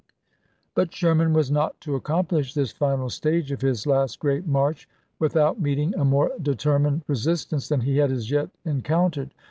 But Sherman was not to accomplish this final stage of his last great march without meeting a more determined resistance than he had as yet en countered.